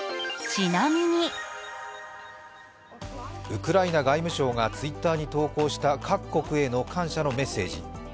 ウクライナ外務省がＴｗｉｔｔｅｒに投稿した各国への感謝のメッセージ。